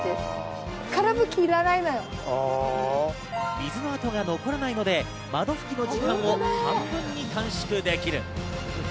水の跡が残らないので窓拭きの時間を半分に短縮できる。